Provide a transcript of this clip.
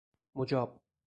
مجاب